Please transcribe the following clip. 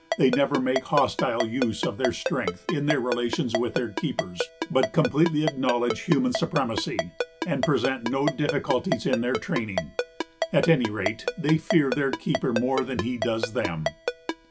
"They never make hostile use of their strength in their relations with their keepers, but completely acknowledge human supremacy and present no difficulties in their training. At any rate, they fear their keeper more than he does them."